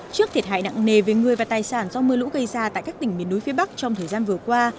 trước thiệt hại nặng nề về người và tài sản do mưa lũ gây ra tại các tỉnh miền núi phía bắc trong thời gian vừa qua